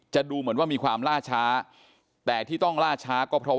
ดูเหมือนว่ามีความล่าช้าแต่ที่ต้องล่าช้าก็เพราะ